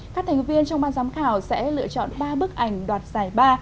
các thành viên trong ban giám khảo sẽ lựa chọn ba bức ảnh đoạt giải ba